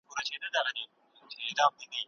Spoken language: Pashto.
هیڅوک حق نه لري چي د بل چا هویت په درواغو وکاروي.